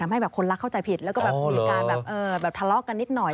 ทำให้คนรักเข้าใจผิดแล้วก็เหมือนการทะเลาะกันนิดหน่อย